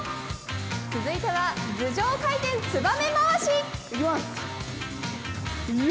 続いては頭上回転ツバメ回し。